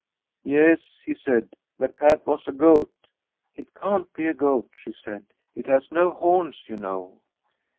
Yes, he said ; the cat was a goat. ' It can't be a goat,' she said ;' it has no horns, vou know.'